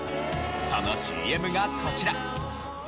そのＣＭがこちら。